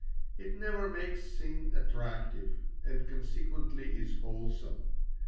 It never makes sin attractive, and consequently is wholesome.